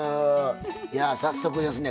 いや早速ですね